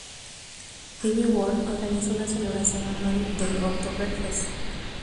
Leavenworth organiza una celebración anual del Oktoberfest.